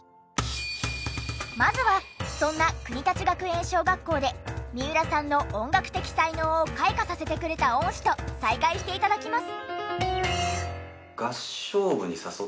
まずはそんな国立学園小学校で三浦さんの音楽的才能を開花させてくれた恩師と再会して頂きます。